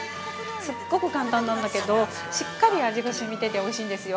すっごく簡単なんだけどしっかり味がしみてておいしいんですよ。